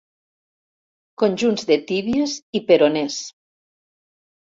Conjunts de tíbies i peronés.